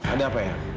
ada apa ya